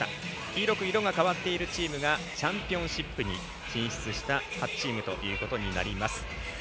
黄色く色が変わっているチームがチャンピオンシップに進出した８チームということになります。